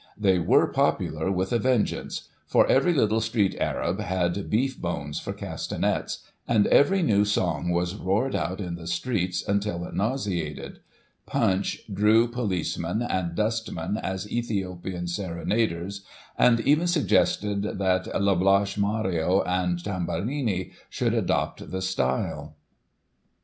They were popular, with a vengeance — for every little street arab had beef bones for castanets, and every new song was roared out in the streets tmtil it nauseated. Punch drew Digiti ized by Google 1846] DISTRESS IN IRELAND 291 policemen and dustmen as Ethiopian Serenaders, and even suggested that Lablache, Mario and Tamburini should adopt the style.